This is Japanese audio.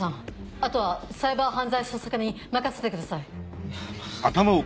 あとはサイバー犯罪捜査課に任せてください。